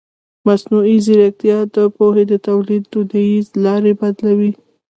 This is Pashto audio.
مصنوعي ځیرکتیا د پوهې د تولید دودیزې لارې بدلوي.